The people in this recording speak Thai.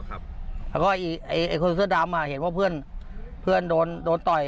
แล้วก็คนเสื้อดำเห็นว่าเพื่อนโดนต่อย